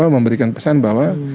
memberikan pesan bahwa